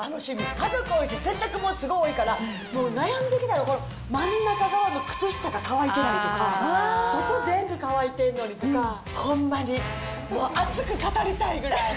家族多いし、洗濯物多いから、もう悩んでたら、真ん中からの靴下が乾いてないとか、外、全部乾てんのにとか、ほんまに、熱く語りたいぐらい。